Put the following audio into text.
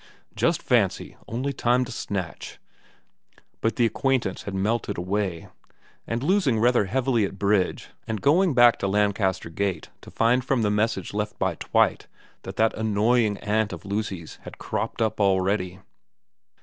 * Just fancy, only time to snatch ' but the acquaintance had melted away and losing rather heavily at bridge, and going back to Lancaster Gate to find from the message left by Twite that that annoying aunt of Lucy's had cropped up already.